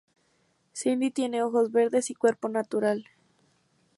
Cindy tiene ojos verdes y cuerpo natural.